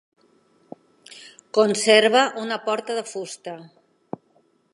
Conserva una porta de fusta.